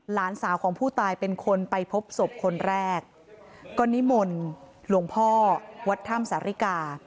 หลานสาวของผู้ตายเป็นคนไปพบศพคนแรกก็นิมนต์หลวงพ่อวัดถ้ำสาริกา